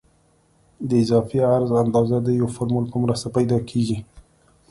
د اضافي عرض اندازه د یو فورمول په مرسته پیدا کیږي